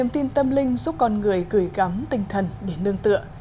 tâm linh giúp con người gửi gắm tinh thần đến nương tựa